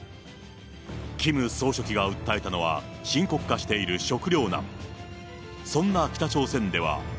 キム総書記が訴えたのが、深刻化している食料難。